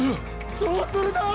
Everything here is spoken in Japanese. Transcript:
どうするだぁ！？